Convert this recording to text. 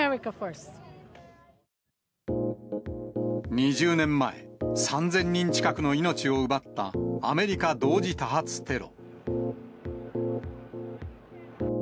２０年前、３０００人近くの命を奪った、アメリカ同時多発テロ。